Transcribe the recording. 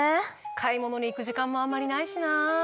買い物に行く時間もあんまりないしなぁ。